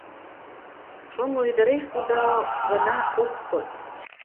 Шоҥго ӱдыреш тудо гына ок код.